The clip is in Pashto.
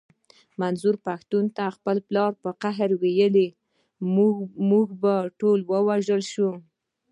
منظور پښتين ته خپل پلار په قهر ويلي و مونږ به ټول ووژل شو.